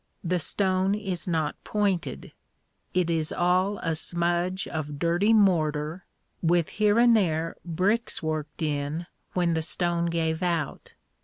The stone is not pointed. It is all a smudge of dirty mortar, with here and there bricks worked in when the stone gave out.